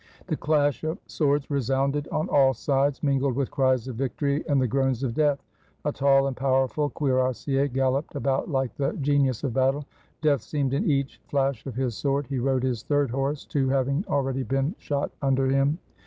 The clash of swords resounded on all sides, mingled with cries of victory and the groans of death. A tall and powerful cuirassier galloped about like the genius of battle — death seemed in each flash of his sword; he rode his third horse, two having already been shot under him.